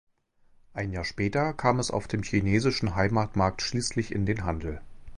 Ein Jahr später kam es auf dem chinesischen Heimatmarkt schließlich in den Handel.